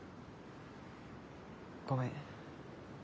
ごめん。